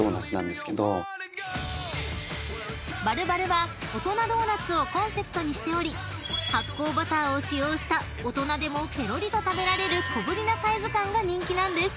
［「ＢＡＬＬＥＢＡＬＬＥ」は大人ドーナツをコンセプトにしており発酵バターを使用した大人でもぺろりと食べられる小ぶりなサイズ感が人気なんです］